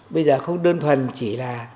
bây giờ không đơn thuần chỉ là